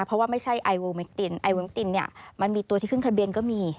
เพราะว่าไม่ใช่ไอโวเมคตินไอเวคตินเนี่ยมันมีตัวที่ขึ้นทะเบียนก็มี